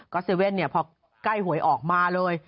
ก็เซเว่นเนี่ยพอใกล้หวยออกมาเลย